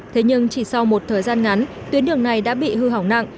thế nhưng chỉ sau một thời gian ngắn tuyến đường này đã bị hư hỏng nặng